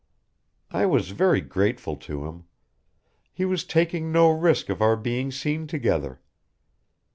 "I was very grateful to him. He was taking no risk of our being seen together.